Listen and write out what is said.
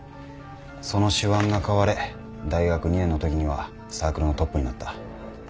その手腕が買われ大学２年のときにはサークルのトップになった。